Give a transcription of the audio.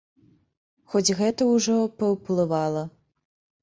Хоць гэта ўжо паўплывала.